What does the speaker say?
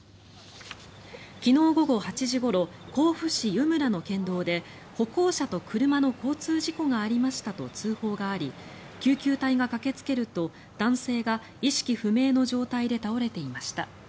昨日午後８時ごろ甲府市湯村の県道で歩行者と車の交通事故がありましたと通報があり救急隊が駆けつけると男性が意識不明の状態で倒れていました。